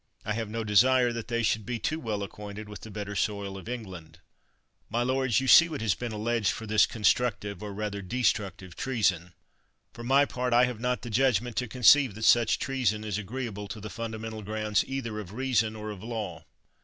I have no desire that they should be too well acquainted with the better soil of England. My lords, you see what has been alleged for this constructive, or, rather, destructive treason. For my part, I have not the judgment to con ceive that such treason is agreeable to the fun damental grounds either of reason or of law.